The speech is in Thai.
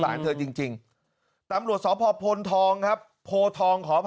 ปลงปากเธอจริงจริงตำรวจสองพ่อพงศทองครับพงศทองขออภัย